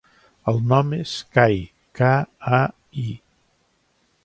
El nom és Kai: ca, a, i.